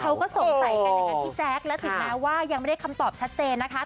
เขาก็สงสัยกันด้วยกันที่แจ๊คแล้วถึงนะว่ายังไม่ได้คำตอบชัดเจนนะคะ